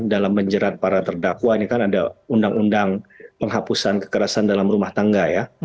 dalam menjerat para terdakwa ini kan ada undang undang penghapusan kekerasan dalam rumah tangga ya